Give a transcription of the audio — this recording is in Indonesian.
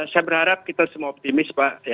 saya berharap kita semua optimis pak